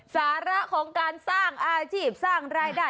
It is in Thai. สาระของการสร้างอาชีพสร้างรายได้